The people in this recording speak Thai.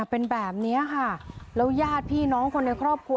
เป็นแบบนี้ค่ะแล้วญาติพี่น้องคนในครอบครัว